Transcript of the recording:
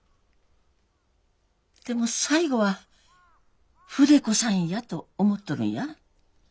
でも最後は筆子さんやと思っとるんや。